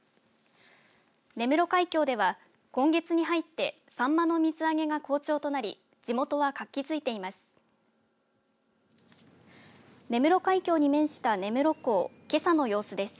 根室海峡では今月に入って、さんまの水揚げが好調となり地元は活気づいています。